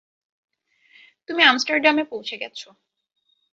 তুমি আমস্টারডামে পৌঁছে গেছ।